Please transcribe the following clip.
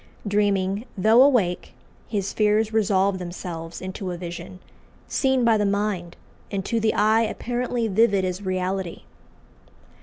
Dreaming, though awake, his fears resolve themselves into a vision, seen by the mind, and to the eye apparently vivid as reality.